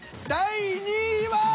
第２位は！